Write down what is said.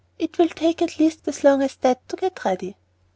It will take at least as long as that to get ready."